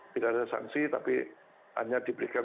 tidak ada sanksi tapi hanya diberikan